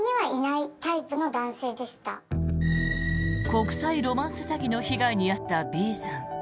国際ロマンス詐欺の被害に遭ったＢさん。